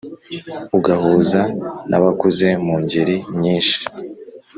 Ugahuza n'abakuze mu ngeli nyinshi